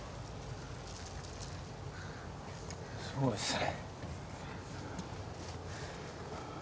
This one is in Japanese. すごいっすね。